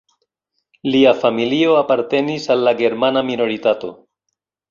Lia familio apartenis al la germana minoritato.